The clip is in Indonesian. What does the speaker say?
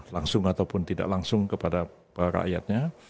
langsung ataupun tidak langsung kepada rakyatnya